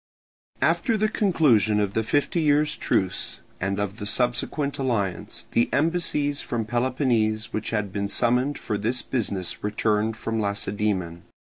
After the conclusion of the fifty years' truce and of the subsequent alliance, the embassies from Peloponnese which had been summoned for this business returned from Lacedaemon.